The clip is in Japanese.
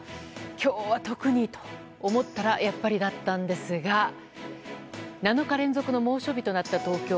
今日は特にと思ったらやっぱりだったんですが７日連続の猛暑日となった東京。